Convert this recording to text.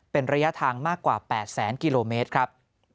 เป็นระยะทางมากกว่า๘แสนกิโลเมตรครับ